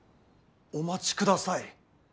お待ちください。